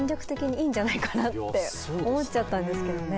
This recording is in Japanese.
んじゃないかなって思っちゃったんですけどね。